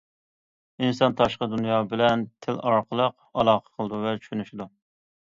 ئىنسان تاشقى دۇنيا بىلەن تىل ئارقىلىق ئالاقە قىلىدۇ ۋە چۈشىنىدۇ.